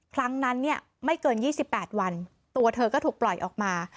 ครั้งนั้นเนี่ยไม่เกิน๒๘วันตัวเธอก็ถูกปล่อยออกมา